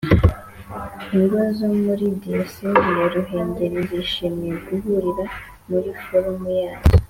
Ingo zo muri diyosezi ya ruhengeri zishimiye guhurira muri forumu yazo